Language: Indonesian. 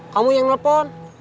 kamu yang telepon